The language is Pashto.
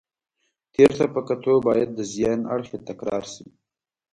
تېر ته په کتو باید د زیان اړخ یې تکرار شي.